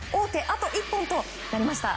あと１本となりました。